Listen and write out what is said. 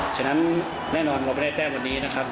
ฉะนั้นแน่นอนเราไม่ได้แต้มวันนี้นะครับ